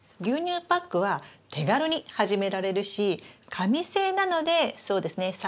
牛乳パックは手軽に始められるし紙製なのでそうですね